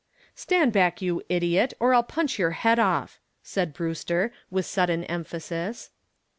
"Stand back, you idiot, or I'll punch your head off," said Brewster, with sudden emphasis.